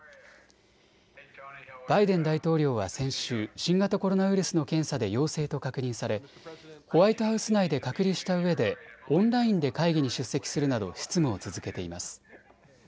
バイデン大統領は先週、新型コロナウイルスの検査で陽性と確認されホワイトハウス内で隔離したうえでオンラインで会議に出席するなど執務を続けています。